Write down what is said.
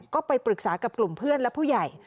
ก็ไปปรึกษากับกลุ่มเพื่อนและผู้ใหญ่